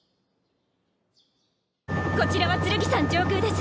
こちらは剣山上空です。